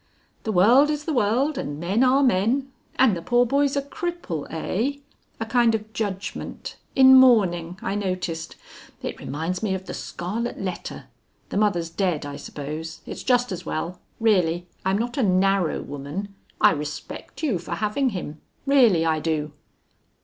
"The world is the world, and men are men. And the poor boy's a cripple, eh? A kind of judgment. In mourning, I noticed. It reminds me of the Scarlet Letter. The mother's dead, I suppose. It's just as well. Really I'm not a narrow woman I respect you for having him. Really I do."